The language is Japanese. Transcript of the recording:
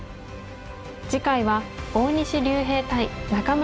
次回は大西竜平対仲邑